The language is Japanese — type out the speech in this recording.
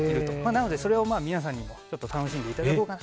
なので、それを皆さんにちょっと楽しんでいただこうかと。